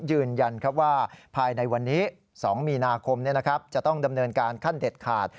ยืนยันว่าภายในวันนี้๒มีนาคมจะต้องดำเนินการขั้นเด็ดขาด